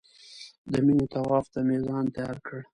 د مینې طواف ته مې ځان تیار کړ.